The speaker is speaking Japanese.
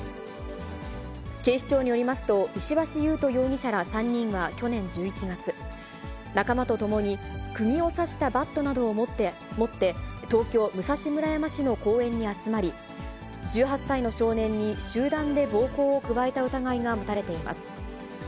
警視庁によりますと、石橋勇人容疑者ら３人は去年１１月、仲間とともに、くぎを刺したバットなどを持って東京・武蔵村山市の公園に集まり、１８歳の少年に集団で暴行を加えた疑いが持たれています。